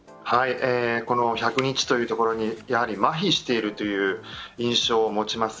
この１００日というところにやはり、まひしているという印象を持ちます。